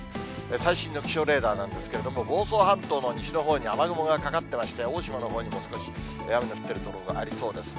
最新の気象レーダーなんですけれども、房総半島の西のほうに雨雲がかかってまして、大島のほうにも少し雨の降っている所がありそうですね。